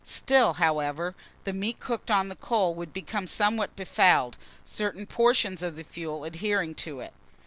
Still, however, the meat cooked on the coal would become somewhat befouled, certain portions of the fuel adhering to it.